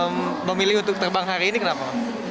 memilih untuk terbang hari ini kenapa